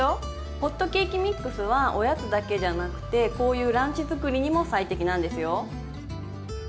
ホットケーキミックスはおやつだけじゃなくてこういうランチ作りにも最適なんですよ。